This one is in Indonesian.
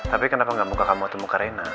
tapi kenapa gak muka kamu atau muka ren